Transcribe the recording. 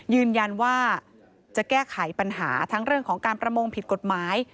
ยืนยันว่าจะแก้ไขปัญหาทั้งเรื่องของการประมงผิดกฎหมาย